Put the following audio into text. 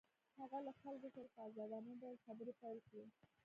هغه له خلکو سره په ازادانه ډول خبرې پيل کړې.